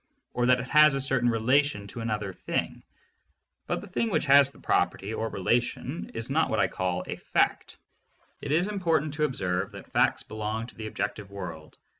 or that it has a certain relation to another thing; but the thing which has the property or the relation is not what I call a "fact." It is important to observe that facts belong to the ob jective world.